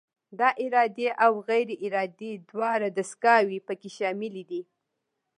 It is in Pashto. دا ارادي او غیر ارادي دواړه دستګاوې پکې شاملې دي.